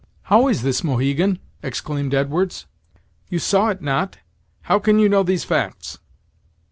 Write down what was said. "How is this, Mohegan?" exclaimed Edwards; "you saw it not! how can you know these facts?"